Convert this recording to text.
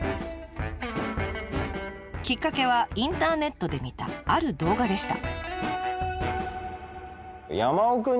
きっかけはインターネットで見たある動画でした。